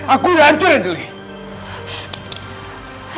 aku sudah hancur angelie